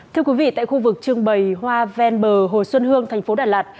thưa quý vị tại khu vực trưng bày hoa ven bờ hồ xuân hương thành phố đà lạt